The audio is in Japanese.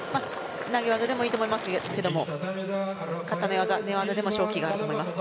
投げ技でもいいと思いますが固め技、寝技でも勝機があると思います。